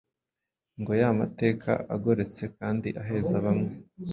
ngo y'amateka agoretse kandi aheza bamwe,